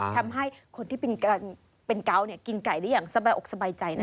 ทำให้คนที่เป็นเก้าเนี่ยกินไก่ได้อย่างสบายออกสบายใจนะจ๊ะ